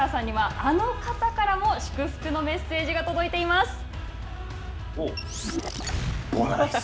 そんな上原さんにはあの方からも祝福のメッセージが届いています。